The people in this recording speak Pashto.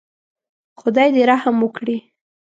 خدای دې رحم وکړي.